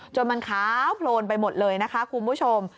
จนมันขาวโพลนไปหมดเลยนะคะคุณผู้ชม